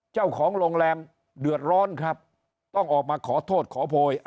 เจ้าของโรงแรมเดือดร้อนครับต้องออกมาขอโทษขอโพย